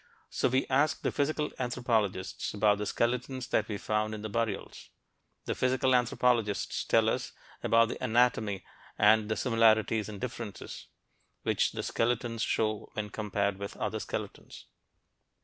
So we ask the physical anthropologists about the skeletons that we found in the burials. The physical anthropologists tell us about the anatomy and the similarities and differences which the skeletons show when compared with other skeletons.